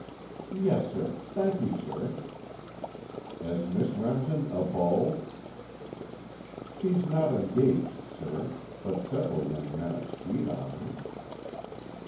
"Yes, sir. Thank you, sir." "Has Miss Remsen a beau?" "She's not engaged, sir, but several young men are sweet on her."